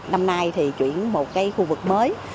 năm nay chuyển một khu vực mới